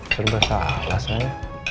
serba salah saya